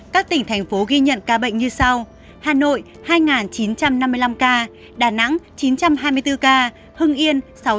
các tỉnh thành phố ghi nhận ca bệnh như sau